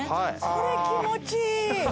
これ気持ちいい